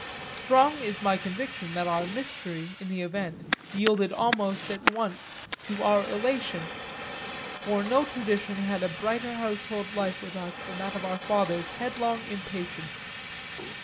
Strong is my conviction that our mystery, in the event, yielded almost at once to our elation, for no tradition had a brighter household life with us than that of our father's headlong impatience.